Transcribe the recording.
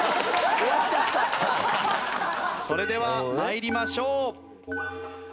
それでは参りましょう。